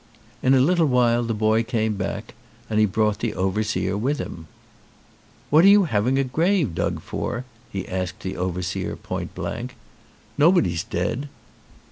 In a little while the boy came back and he brought the overseer with him. "What are you having a grave dug for?" he asked the overseer point blank. "Nobody's dead."